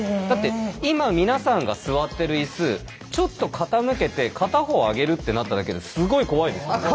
だって今皆さんが座ってる椅子ちょっと傾けて片方上げるってなっただけですごい怖いですよね。